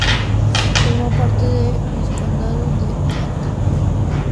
Formó parte del Vizcondado de Castellbó.